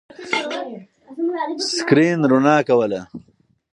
سکرین رڼا کوله.